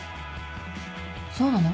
そうなの？